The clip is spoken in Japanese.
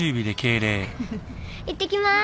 いってきます。